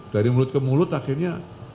dari mulut ke mulut akhirnya